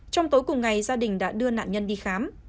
trong tối cùng ngày gia đình đã đưa nạn nhân đi khám